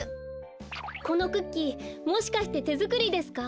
このクッキーもしかしててづくりですか？